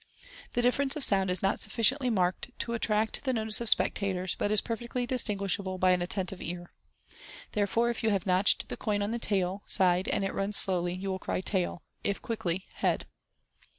The difference of sound is not sufficiently marked to attract the notice of the spectators, but is perfectly distinguishable by an l6© MODERN MAGIC. attentive ear. If, therefore, you have notched the coin on the " tail " side, and it runs down slowly, you will cry " tail j" if quickly, "head."